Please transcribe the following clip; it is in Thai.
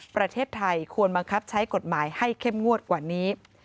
ประเทศไทยควรบังคับใช้กฎหมายให้เข้มงวดกว่านี้